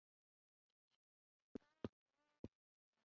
课程与打工是增加艺人大部分能力的方法。